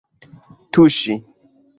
tuŝi